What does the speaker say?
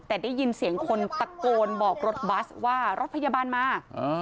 แต่ได้ยินเสียงคนตะโกนบอกรถบัสว่ารถพยาบาลมา